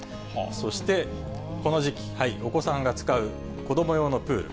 そしてこの時期、お子さんが使う子ども用のプール。